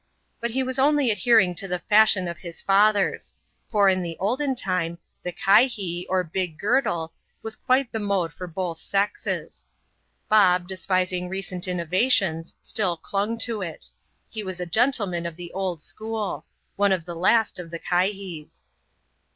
But he was only adhering to the fashion of his fathers ; for, in the olden time, the " Kihee," or big girdle, was quite the mode iot both sexes. Bob, despising recent innovations, still clung to it He was a gentleman of the old school — one of the last of the Kihees.